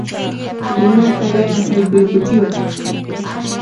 Hinata ya, haykuykuchiway